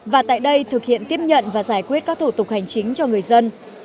và tại đây thực hiện tiếp nhận và giải quyết các thủ tục hành chính cho người dân